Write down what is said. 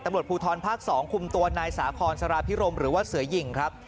ตำรวจภูทรภาค๒คุมตัวนายสาคอนสารพิรมหรือว่าเสือหญิงครับ